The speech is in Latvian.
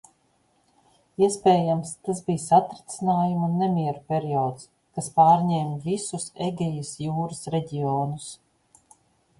Iespējams tas bija satricinājumu un nemieru periods, kas pārņēma visus Egejas jūras reģionus.